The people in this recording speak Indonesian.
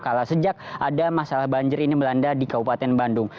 kalau sejak ada masalah banjir ini melanda di kabupaten bandung